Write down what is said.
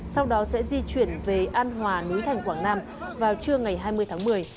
sau đó sẽ di chuyển về an hòa núi thành quảng nam vào trưa ngày hai mươi tháng một mươi